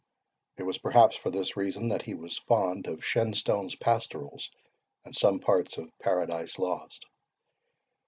It was perhaps for this reason that he was fond of Shenstone's pastorals, and some parts of PARADISE LOST.